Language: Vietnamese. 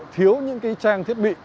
thiếu những cái trang thiết bị